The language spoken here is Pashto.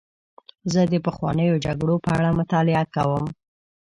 زه د پخوانیو جګړو په اړه مطالعه کوم.